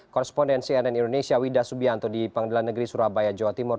korespondensi nn indonesia wida subianto di pengadilan negeri surabaya jawa timur